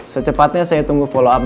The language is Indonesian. secepatnya saya tunggu follow up